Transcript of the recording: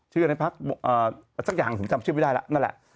ชื่ออะไรพาร์คสักอย่างถึงจำชื่อไม่ได้ละนั่นแหละ